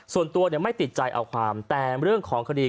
ส่วนตัวไม่ติดใจเอาความแต่เรื่องของคดี